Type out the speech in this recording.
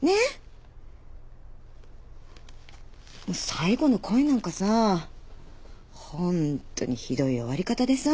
最後の恋なんかさホントにひどい終わり方でさ。